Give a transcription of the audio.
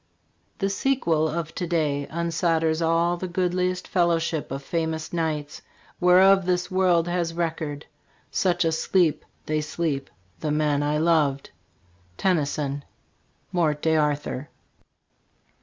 The sequel of to day unsolders all The goodliest fellowship of famous Knights Whereof this world has record. Such a sleep They sleep the men I loved. Tennyson :'' Morte d" 1 Arthur.